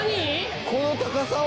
この高さを？